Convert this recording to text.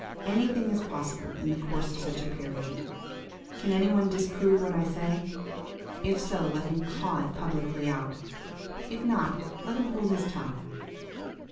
Anything is possible in the course of such a period. Can any one disprove what I say? If so, let him caw it publicly out; if not, let him hold his tongue.